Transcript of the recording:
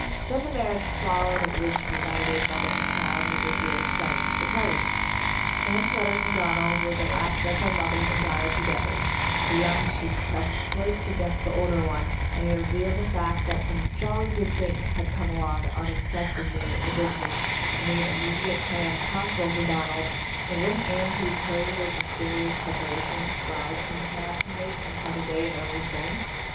Then the marriage followed which united mother and child with their dearest friends, the Carters. Anne's letter from Donald was at last read by mother and daughter together, the young cheek pressed close against the older one, and it revealed the fact that some "jolly good things" had come along unexpectedly in the business, and made immediate plans possible for Donald, and wouldn't Anne please hurry those mys terious preparations brides seem to have to make and set a day in early spring?